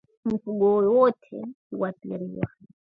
Mifugo wote huathiriwa